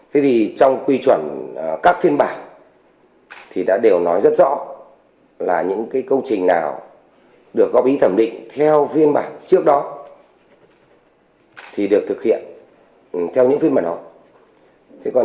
thế thì trong quy chuẩn các phiên bản thì đã đều nói rất rõ là những công trình nào được góp ý thẩm định theo phiên bản trước đó thì được thực hiện theo những phiên bản đó